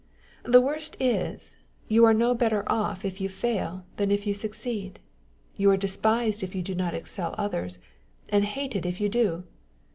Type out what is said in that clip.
The worst is, you are no better off if you fail than if you succeed. You are despised if you do not excel others, and hated if you do.